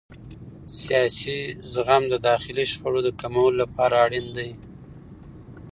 سیاسي زغم د داخلي شخړو د کمولو لپاره اړین دی